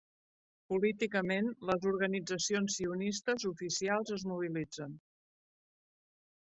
Políticament, les organitzacions sionistes oficials es mobilitzen.